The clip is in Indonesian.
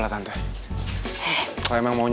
eh tak senyum